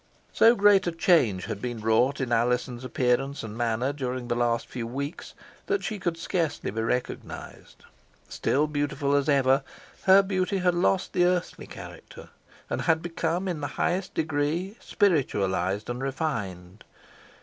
So great a change had been wrought in Alizon's appearance and manner during the last few weeks, that she could scarcely be recognised. Still beautiful as ever, her beauty had lost its earthly character, and had become in the highest degree spiritualised and refined.